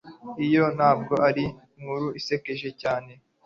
iyo ntabwo ari inkuru isekeje cyane